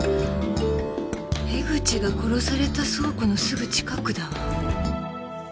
江口が殺された倉庫のすぐ近くだわ。